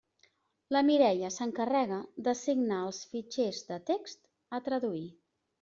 La Mireia s'encarrega d'assignar els fitxers de text a traduir.